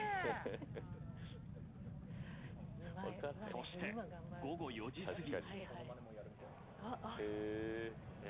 そして、午後４時過ぎ。